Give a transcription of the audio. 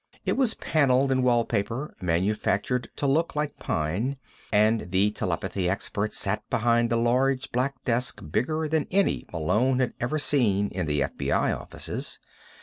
It was paneled in wallpaper manufactured to look like pine, and the telepathy expert sat behind a large black desk bigger than any Malone had ever seen in the FBI offices.